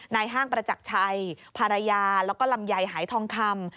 ห้างประจักรชัยภรรยาแล้วก็ลำไยหายทองคำ